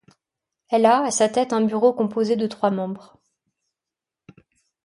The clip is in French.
Elle a à sa tête un bureau composé de trois membres.